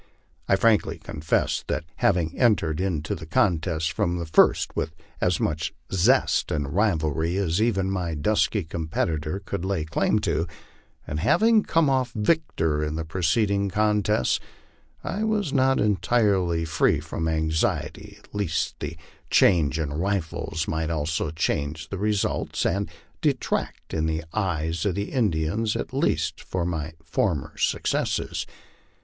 I frankly confess that having entered into the contest from the first with as much zest and rivalry as even my dusky competitor could lay claim to, and having come off victor in the preceding contests, I was not entirely free from anxiety lest the change in rifles might also change the result, and detract, in the eyes of the Indians at least, from my former successes.